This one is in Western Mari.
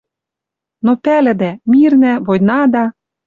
Но пӓлӹдӓ! Мирнӓ, войнада